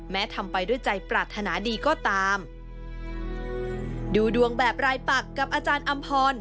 ทำไปด้วยใจปรารถนาดีก็ตามดูดวงแบบรายปักกับอาจารย์อำพร